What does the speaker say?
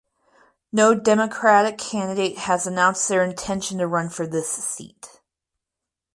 No Democratic candidate has announced their intention to run for this seat.